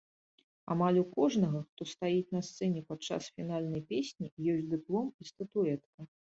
Амаль у кожнага, хто стаіць на сцэне падчас фінальнай песні, ёсць дыплом і статуэтка.